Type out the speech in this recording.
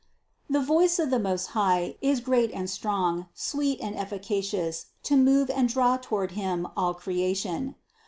The voice of the Most High is great and strong, sweet and efficacious to move and draw toward Him all creation.